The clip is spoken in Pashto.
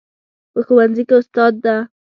په ښوونځي کې استاد ده